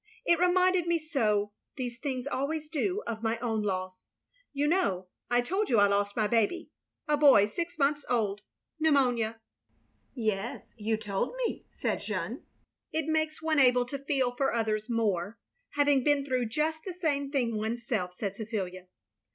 It reminded me so — ^these things always do — of my own loss. You know, I told you I lost my baby — sl boy six months old — pnetimonia." " Yes, you told me, " said Jeanne. "It makes one able to feel for others more, having been through just the same thing oneself, " said Cecilia.